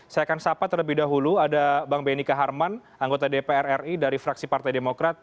saya akan sapa terlebih dahulu ada bang benny kaharman anggota dpr ri dari fraksi partai demokrat